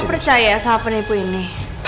saya percaya sama penipu ini